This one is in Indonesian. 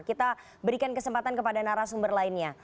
kita berikan kesempatan kepada narasumber lainnya